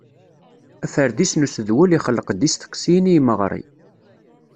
Aferdis n usedwel ixelleq-d isteqsiyen i yimeɣri.